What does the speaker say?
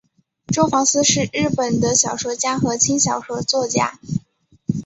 周防司是日本的小说家和轻小说作家。